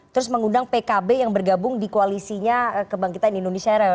terus mengundang pkb yang bergabung di koalisinya kebangkitan indonesia raya